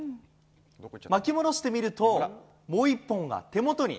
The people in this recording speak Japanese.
巻き戻してみると、もう１本が手元に。